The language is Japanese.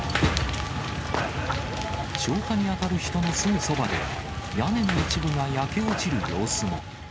消火に当たる人のすぐそばで、屋根の一部が焼け落ちる様子も。